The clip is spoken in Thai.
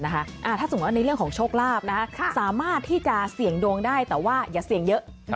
ถ้าสมมุติว่าในเรื่องของโชคลาภสามารถที่จะเสี่ยงดวงได้แต่ว่าอย่าเสี่ยงเยอะ